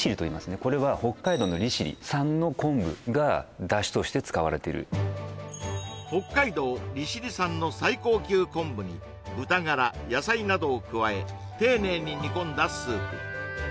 これは北海道の利尻産の昆布が出汁として使われてる北海道利尻産の最高級昆布に豚ガラ野菜などを加え丁寧に煮込んだスープ